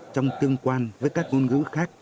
trong tương quan với các ngôn ngữ khác